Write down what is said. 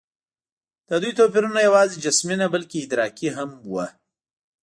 د دوی توپیرونه یواځې جسمي نه، بلکې ادراکي هم وو.